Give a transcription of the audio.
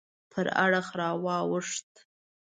پر اړخ راواوښت.